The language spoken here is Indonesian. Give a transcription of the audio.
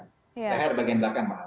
daerah bagian belakang paham